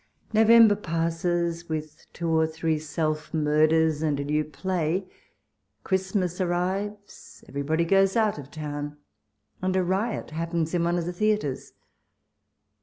November passes,' with two or three self murders, and a new play. Christmas arrives ; everybody goes out of town ; and a riot happens in one of the theatres.